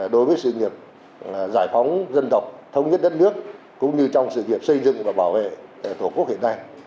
đối với sự nghiệp giải phóng dân tộc thống nhất đất nước cũng như trong sự nghiệp xây dựng và bảo vệ tổ quốc hiện nay